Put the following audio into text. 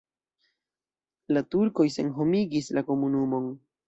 La turkoj senhomigis la komunumon.